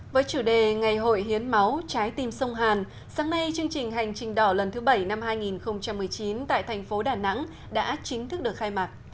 với chủ đề ngày hội hiến máu trái tim sông hàn sáng nay chương trình hành trình đỏ lần thứ bảy năm hai nghìn một mươi chín tại thành phố đà nẵng đã chính thức được khai mạc